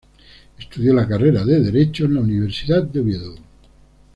Estudió la carrera de Derecho en la Universidad de Oviedo.